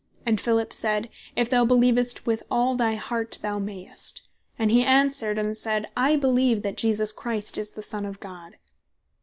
And Philip said, If thou beleevest with all thy heart thou mayst. And hee answered and said, I beleeve that Jesus Christ is the Son of God."